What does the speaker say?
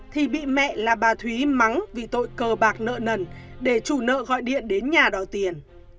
thì bị mẹ là bà thúy mắn vì tội cờ bạc nợ nần để chủ nợ gọi điện đến nhà đòi tiền